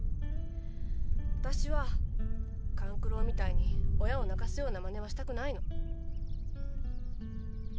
わたしは勘九郎みたいに親を泣かすようなマネはしたくないの。